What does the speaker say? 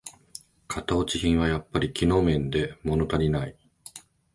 型落ち品はやっぱり機能面でものたりない